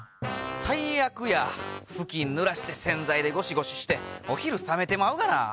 最悪やふきんぬらして洗剤でゴシゴシしてお昼冷めてまうがな。